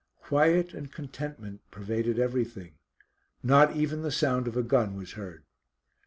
Quiet and contentment pervaded everything; not even the sound of a gun was heard.